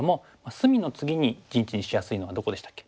隅の次に陣地にしやすいのがどこでしたっけ？